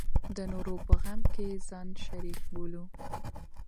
د نورو په غم کې ځان شریک بولو.